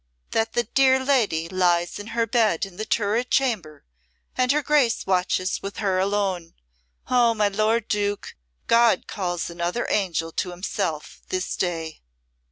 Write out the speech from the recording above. "That the dear lady lies in her bed in the Turret chamber and her Grace watches with her alone. Oh, my lord Duke, God calls another angel to Himself this day!"